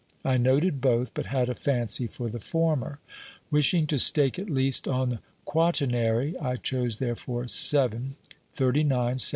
I noted both, but had a fancy for the former. Wishing to stake at least on the quaternary, I chose therefore 7, 39, 72, 81.